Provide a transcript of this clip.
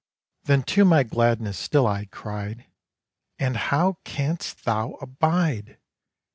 Then to my Gladness still I cried: 'And how canst thou abide?